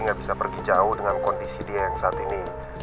nggak bisa pergi jauh dengan kondisi dia yang saat ini